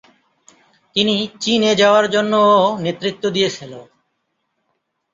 তিনি চীন-এ যাওয়ার জন্যও নেতৃত্ব দিয়েছিল।